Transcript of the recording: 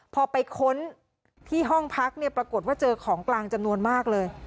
พอไปค้นที่ห้องพักเนี่ยปรากฏว่าเจอของกลางจำนวนมากเลย